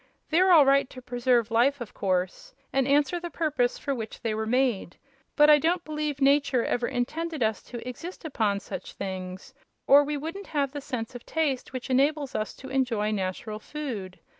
They're all right to preserve life, of course, and answer the purpose for which they were made; but I don't believe nature ever intended us to exist upon such things, or we wouldn't have the sense of taste, which enables us to enjoy natural food.